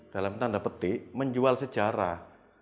dalam tanda petik menjual sejarah